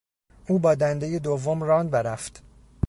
او با دندهی دوم راند و رفت.